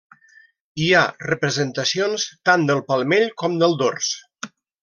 Hi ha representacions tant del palmell com del dors.